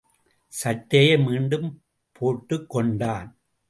சட்டையை மீண்டும் போட்டுக் கொண்டான்.